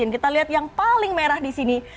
kita lihat yang paling merah di sini